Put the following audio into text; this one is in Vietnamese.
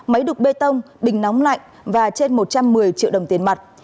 máy đục bê tông bình nóng lạnh và trên một trăm một mươi triệu đồng tiền mặt